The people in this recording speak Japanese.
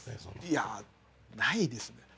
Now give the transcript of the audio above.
いやないですね。